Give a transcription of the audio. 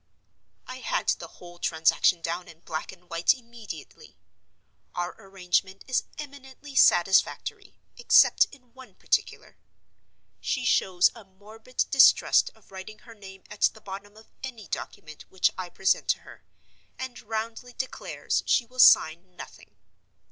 I had the whole transaction down in black and white immediately. Our arrangement is eminently satisfactory, except in one particular. She shows a morbid distrust of writing her name at the bottom of any document which I present to her, and roundly declares she will sign nothing.